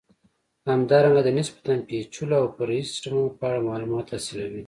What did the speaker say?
همدارنګه د نسبتا پېچلو او فرعي سیسټمونو په اړه معلومات حاصلوئ.